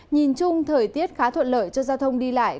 nhìn chung thời tiết khá thuận lợi cho giao thông đi lại